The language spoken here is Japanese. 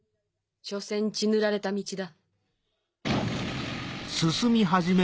しょせん血塗られた道だ。